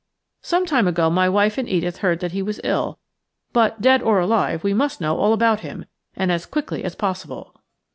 Some time ago my wife and Edith heard that he was ill, but dead or alive we must know all about him, and as quickly as possible."